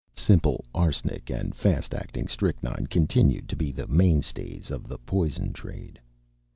Simple arsenic and fast acting strychnine continued to be the mainstays of the poison trade.